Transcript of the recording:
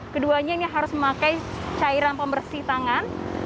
keduanya ini harus memakai cairan pembersih tangan